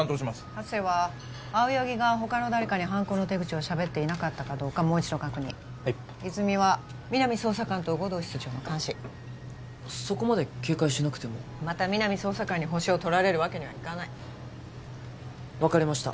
ハセは青柳が他の誰かに犯行の手口を喋っていなかったかどうかもう一度確認はい泉は皆実捜査官と護道室長の監視そこまで警戒しなくてもまた皆実捜査官にホシを取られるわけにはいかない分かりました